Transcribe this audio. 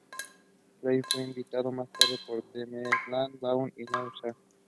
Panyab fue invadido más tarde por Tamerlán, Babur y Nader Shah.